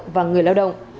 và người lao động